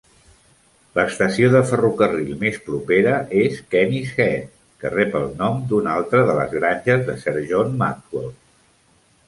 L'estació de ferrocarril més propera és Kennishead, que rep el nom d'una altra de les granges de Sir John Maxwell.